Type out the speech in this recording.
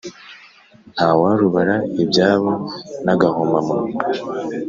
Ntawarubara ibyabo nagahoma munwa